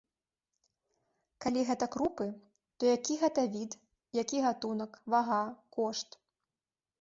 Калі гэта крупы, то які гэта від, які гатунак, вага, кошт.